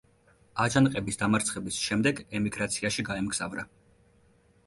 აჯანყების დამარცხების შემდეგ ემიგრაციაში გაემგზავრა.